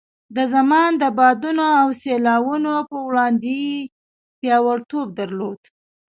د زمان د بادونو او سیلاوونو په وړاندې یې پیاوړتوب درلود.